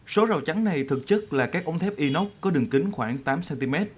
số rào trắng này thực chất là các ống thép inox có đường kính khoảng tám cm